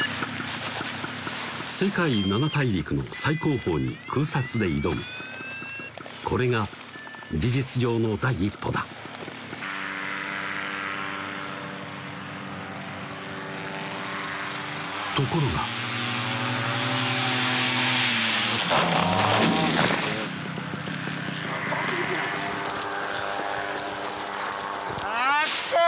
世界七大陸の最高峰に空撮で挑むこれが事実上の第一歩だところがあぁクソ！